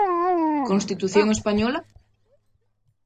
Constitución española?